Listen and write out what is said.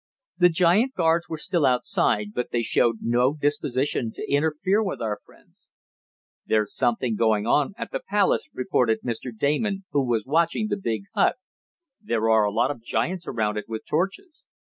The giant guards were still outside, but they showed no disposition to interfere with our friends. "There's something going on at the palace," reported Mr. Damon, who was watching the big hut. "There are a lot of giants around it with torches."